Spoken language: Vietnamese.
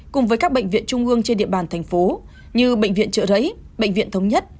cùng với các bệnh viện trung ương trên địa bàn thành phố như bệnh viện trợ rẫy bệnh viện thống nhất